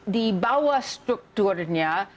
di bawah strukturnya